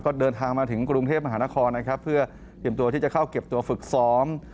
ก็เดินทางมาถึงกรุงเทพมหานครนะครับเพื่อเตรียมตัวที่จะเข้าเก็บตัวฝึกซ้อม